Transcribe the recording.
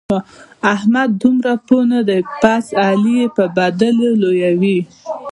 احمد دومره پوه نه دی؛ بس علي يې به بدلو لويوي.